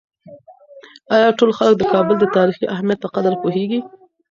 آیا ټول خلک د کابل د تاریخي اهمیت په قدر پوهېږي؟